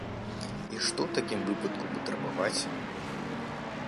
І што ў такім выпадку патрабаваць?